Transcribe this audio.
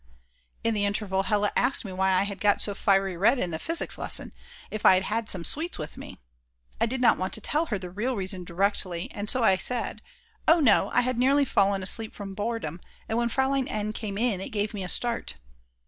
In the interval Hella asked me why I had got so fiery red in the Physics lesson, if I'd had some sweets with me. I did not want to tell her the real reason directly, and so I said: "Oh no, I had nearly fallen asleep from boredom, and when Fraulein N. came in it gave me a start."